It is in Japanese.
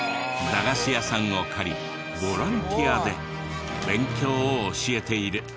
駄菓子屋さんを借りボランティアで勉強を教えている。